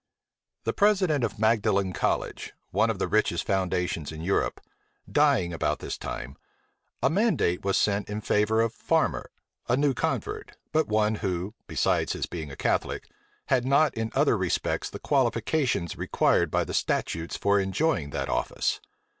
The president of Magdalen College, one of the richest foundations in Europe, dying about this time, a mandate was sent in favor of Farmer, a new convert, but one who, besides his being a Catholic, had not in other respects the qualifications required by the statutes for enjoying that office.